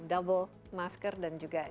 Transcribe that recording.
double masker dan juga